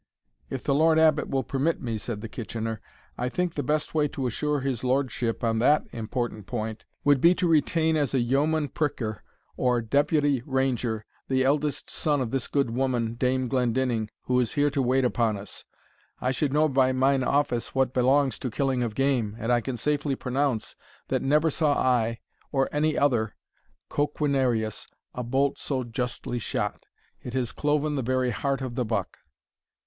"If the Lord Abbot will permit me," said the Kitchener, "I think the best way to assure his lordship on that important point, would be to retain as a yeoman pricker, or deputy ranger, the eldest son of this good woman, Dame Glendinning, who is here to wait upon us. I should know by mine office what belongs to killing of game, and I can safely pronounce, that never saw I, or any other coquinarius, a bolt so justly shot. It has cloven the very heart of the buck."